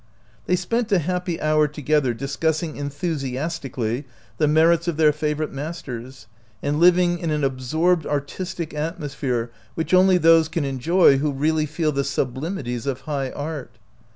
They spent a happy hour together dis cussing enthusiastically the merits of their favorite masters, and living in an absorbed artistic atmosphere which only those can enjoy who really feel the sublimities of high art.